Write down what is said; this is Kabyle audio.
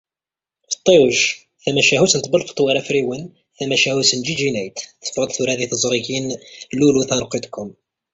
Feṭṭiwej, Tamacahut n tbelfeḍt war afriwen" tamacahut n Djidji Nait teffeγ-d tura di teẓrigin Lulu.com